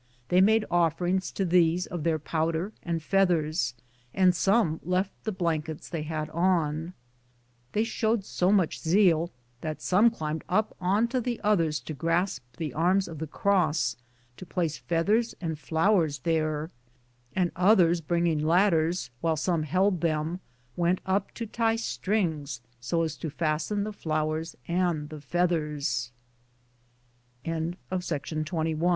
They made offerings to these of their powder and feathers, and some left the blankets they had on. They showed so much zeal that some climbed up on the others to grasp the arms of the cross, to place feathers and flowers there; and others bringing ladders, while some held them, went up to tie strings, so as to fasten the flowers and the feathers.